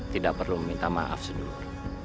tidak perlu minta maaf sedulur